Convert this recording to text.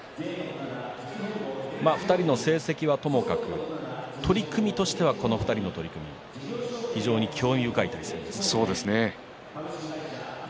２人の成績はともかく取組としてはこの２人の取組そうですね。